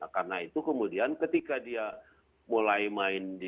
karena itu kemudian ketika dia mulai main di